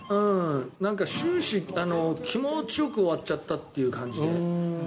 終始、気持ちよく終わっちゃったっていう感じで。